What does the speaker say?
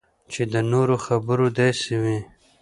چې د نورو خبرې داسې وي